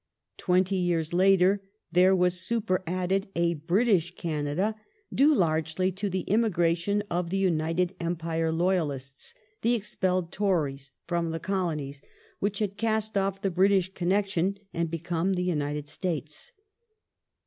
Twenty yeai s later there was superadded a British Canada, due largely to the immigration of the " United Empire loyalists," the expelled " Tories," from the Colonies which had cast off" the British connection and become the United States.